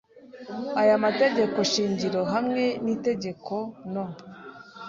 aya mategeko shingiro hamwe n itegeko No